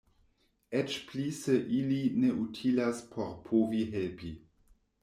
Eĉ pli se ili ne utilas por povi helpi.